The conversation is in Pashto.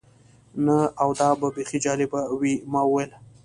نه، او دا به بیخي جالبه وي. ما وویل.